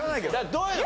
どういうの？